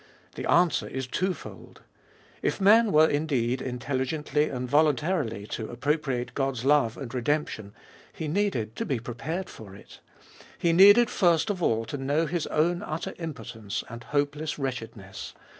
The answer is twofold — If man were indeed intelligently and volun tarily to appropriate God's love and redemption, he needed to be prepared for it. He needed first of all to know his own utter impotence and hopeless wretchedness.